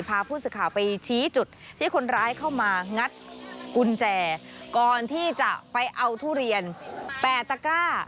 พาผู้สื่อข่าวไปชี้จุดที่คนร้ายเข้ามางัดกุญแจก่อนที่จะไปเอาทุเรียนแปดตะกร้า